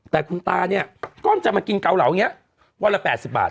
แต่คุณตาเนี่ยก็จะมากินเกาเหลาอย่างนี้วันละ๘๐บาท